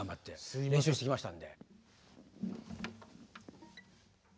練習してきましたんで。